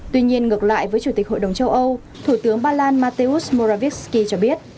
tuy nhiên ngược lại với chủ tịch hội đồng châu âu thủ tướng ba lan mateusz morawiecki cho biết